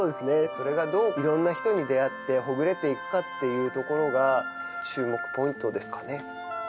それがどう色んな人に出会ってほぐれていくかっていうところが注目ポイントですかね